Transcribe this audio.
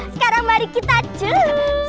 sekarang mari kita cus